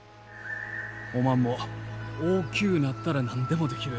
おまんも大きゅうなったら何でもできる。